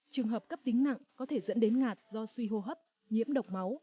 trường hợp cấp tính nặng có thể dẫn đến ngạt do suy hô hấp nhiễm độc máu